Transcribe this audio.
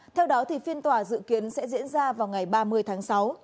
theo đó phiên tòa dự kiến sẽ diễn ra vào ngày ba mươi tháng sáu